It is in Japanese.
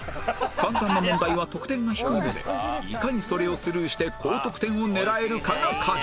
簡単な問題は得点が低いのでいかにそれをスルーして高得点を狙えるかが鍵